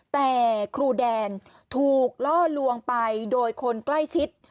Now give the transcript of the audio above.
แต่ครูแดนถูกล่อลวงไปโดยคนใกล้ชิด